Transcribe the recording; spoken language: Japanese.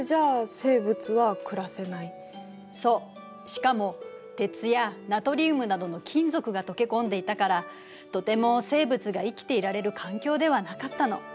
しかも鉄やナトリウムなどの金属が溶け込んでいたからとても生物が生きていられる環境ではなかったの。